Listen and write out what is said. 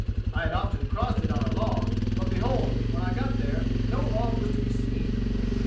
I had often crossed it on a log; but behold, when I got there no log was to be seen.